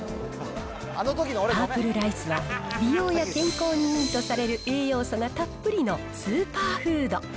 パープルライスは美容や健康にいいとされる栄養素がたっぷりのスーパーフード。